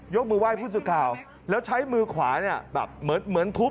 ยกมือไหว้พูดสิทธิ์ข่าวแล้วใช้มือขวาแบบเหมือนทุบ